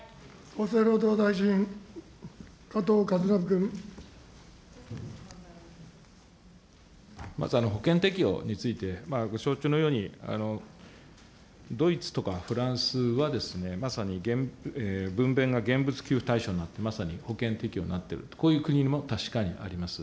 厚生労働大臣、まず保険適用についてご承知のように、ドイツとかフランスは、まさに分娩が現物支給対象になっていて、保険適用になっている、こういう国も確かにあります。